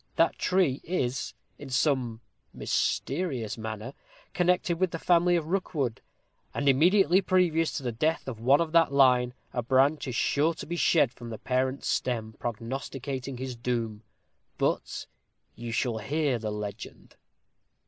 That tree is, in some mysterious manner, connected with the family of Rookwood, and immediately previous to the death of one of that line, a branch is sure to be shed from the parent stem, prognosticating his doom. But you shall hear the legend."